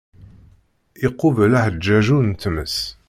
Iqubel aḥeǧǧaju n tmes.